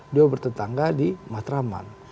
dia bertangga di matraman